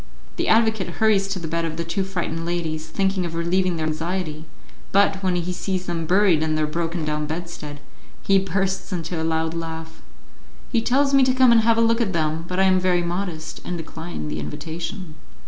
The advocate hurries to the bed of the two frightened ladies, thinking of relieving their anxiety, but, when he sees them buried in their broken down bedstead, he bursts into a loud laugh. He tells me to come and have a look at them, but I am very modest, and decline the invitation.